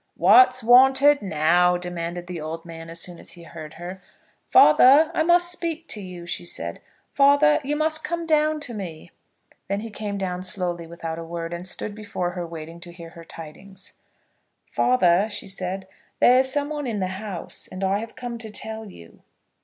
"What's wanted now?" demanded the old man as soon as he heard her. "Father, I must speak to you," she said. "Father, you must come down to me." Then he came down slowly, without a word, and stood before her waiting to hear her tidings. "Father," she said, "there is some one in the house, and I have come to tell you."